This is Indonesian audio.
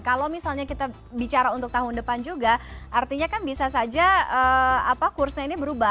kalau misalnya kita bicara untuk tahun depan juga artinya kan bisa saja kursnya ini berubah